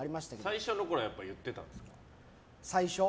最初のころは言ってたんですか？